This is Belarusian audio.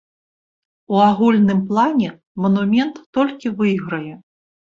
У агульным плане манумент толькі выйграе.